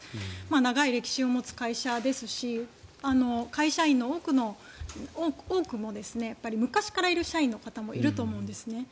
長い歴史を持つ会社ですし会社員の多くも昔からいる社員の方もいると思うんです。